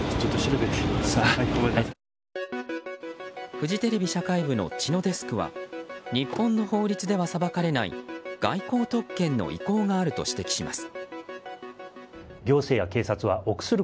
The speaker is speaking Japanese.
フジテレビ社会部の知野デスクは日本の法律ではさばかれない外交特権の威光があると指摘します。